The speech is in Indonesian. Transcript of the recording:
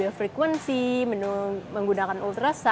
terus mereka melakukan tindakan tindakan yang menggunakan misalnya radiofricolat